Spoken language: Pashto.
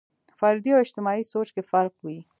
فردي او اجتماعي سوچ کې فرق وي.